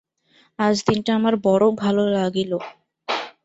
আজ দিনটা আমার বড়ো ভালো লাগিল।